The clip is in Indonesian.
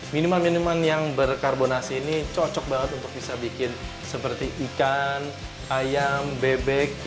minuman minuman yang berkarbonasi ini cocok banget untuk bisa bikin seperti ikan ayam bebek